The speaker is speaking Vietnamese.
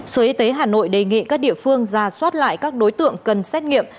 sở y tế hà nội đề nghị các địa phương ra soát lại các đối tượng cần xét nghiệm